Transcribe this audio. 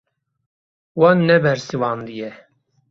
Wan nebersivandiye.